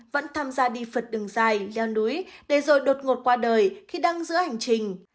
vẫn tham gia đi phật đường dài leo núi để rồi đột ngột qua đời khi đang giữa hành trình